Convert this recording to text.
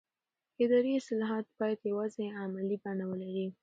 اداري اصلاحات باید یوازې عملي بڼه ولري